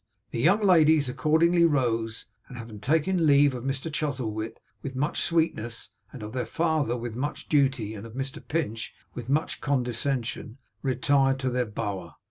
The young ladies accordingly rose, and having taken leave of Mr Chuzzlewit with much sweetness, and of their father with much duty and of Mr Pinch with much condescension, retired to their bower.